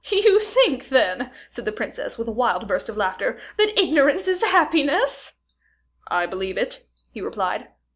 "You think, then," said the princess, with a wild burst of laughter, "that ignorance is happiness?" "I believe it," he replied.